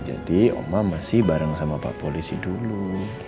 jadi oma masih bareng sama pak polisi dulu